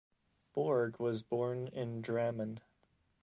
Borg was born in Drammen.